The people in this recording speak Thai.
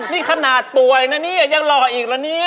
นี่ขนาดป่วยนะเนี่ยยังหล่ออีกละเนี่ย